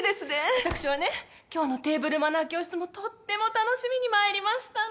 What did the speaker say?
わたくしはね今日のテーブルマナー教室もとっても楽しみに参りましたの。